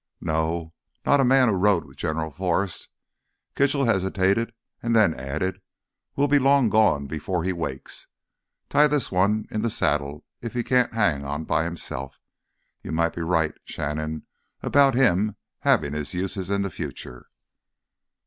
"No. Not a man who rode with General Forrest." Kitchell hesitated and then added, "We'll be long gone before he wakes. Tie this one in the saddle if he can't hang on by himself. You may be right, Shannon, about him having his uses in the future."